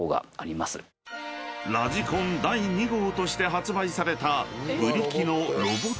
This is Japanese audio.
［ラジコン第２号として発売された］